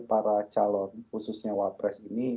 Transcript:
para calon khususnya wapres ini